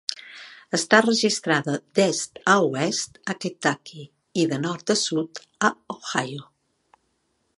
Està registrada d'est a oest a Kentucky i de nord a sud a Ohio.